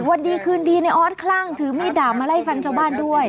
วันดีคืนดีในออสคลั่งถือมีดดาบมาไล่ฟันชาวบ้านด้วย